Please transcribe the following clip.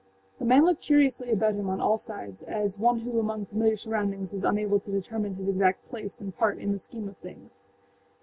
The man looked curiously about him on all sides, as one who among familiar surroundings is unable to determine his exact place and part in the scheme of things.